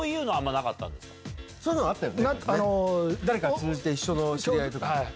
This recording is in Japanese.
誰かを通じて一緒の知り合いとか。